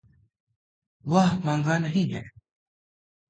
वह महँगा नहीं है।